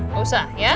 gak usah ya